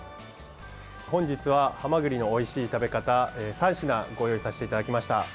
本日はハマグリのおいしい食べ方３品ご用意させていただきました。